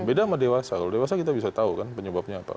beda sama dewasa kalau dewasa kita bisa tahu kan penyebabnya apa